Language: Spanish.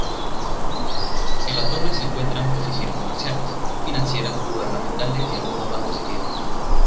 En la torre se encuentran oficinas comerciales, financieras, gubernamentales y algunos bancos y tiendas.